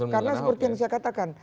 karena seperti yang saya katakan